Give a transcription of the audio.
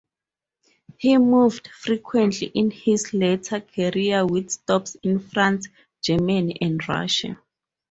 He moved frequently in his later career, with stops in France, Germany and Russia.